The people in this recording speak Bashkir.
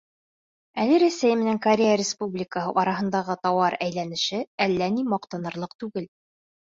Әле Рәсәй менән Корея Республикаһы араһындағы тауар әйләнеше әллә ни маҡтанырлыҡ түгел.